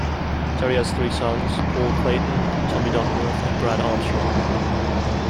Terry has three sons: Paul Clayton, Tommy Duckworth, and Brad Armstrong.